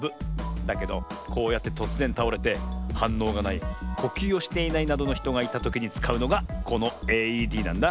だけどこうやってとつぜんたおれてはんのうがないこきゅうをしていないなどのひとがいたときにつかうのがこのＡＥＤなんだ。